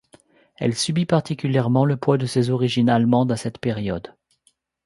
Elle subit particulièrement le poids de ses origines allemandes à cette période.